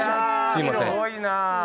すごいな。